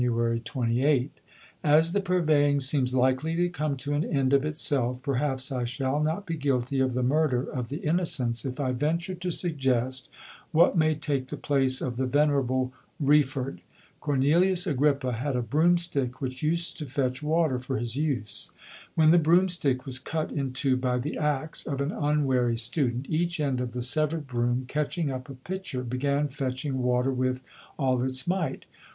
28): As the Purveying seems likely to come to an end of itself, perhaps I shall not be guilty of the murder of the Innocents if I venture to suggest what may take the place of the venerable Wreford. Cornelius Agrippa had a broom stick which used to fetch water for his use. When the broom stick was cut in two by the axe of an unwary student, each end of the severed broom, catching up a pitcher, began fetching water with all its might.